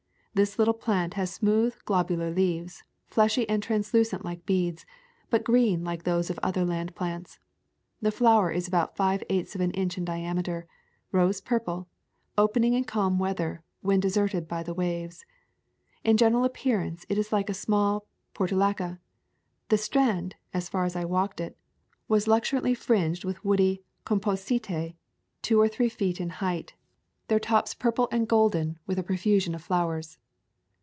This little plant has smooth globular leaves, fleshy and translucent like beads, but green like those of other land plants. The flower is about five eighths of an inch in diameter, rose purple, opening in calm weather, when deserted by the waves. In general appearance it is like a small portulaca. The strand, as far as I walked it, was luxuriantly fringed with woody Composite, two or three feet in height, their tops purple [ 163 ] A Thousand Mile Walk and golden with a profusion of flowers.